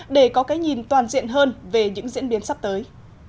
để có cái nhìn toàn diện hơn về những diễn biến sắp tới